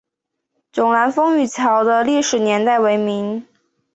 迥澜风雨桥的历史年代为明。